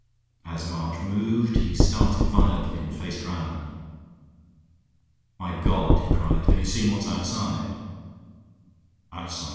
As March moved he started violently and faced round. "My God!" he cried, "have you seen what's outside?" "Outside?"